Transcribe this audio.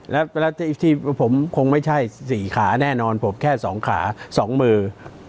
แล้วที่ผมคงไม่ใช่สี่ขาแน่นอนผมแค่สองขาสองมือ